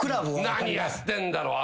何やってんだろう。